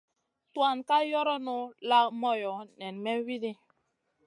Tuan ka yoronu la moyo nen may widi.